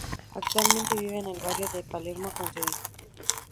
Actualmente vive en el barrio de Palermo con su hijo.